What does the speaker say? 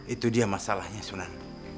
itu dia masalahnya sunan